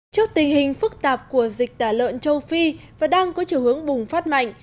trước tình hình phức tạp của dịch tả lợn châu phi và đang có chiều hướng bùng phát mạnh